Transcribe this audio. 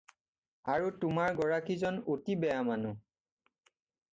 আৰু তোমাৰ গৰাকীজন অতি বেয়া মানুহ।